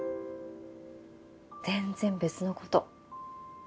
全然別のこと。